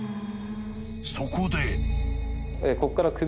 ［そこで］